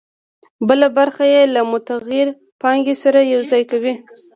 بله برخه یې له متغیرې پانګې سره یوځای کوي